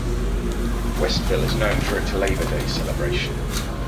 Westville is known for its Labor Day celebration.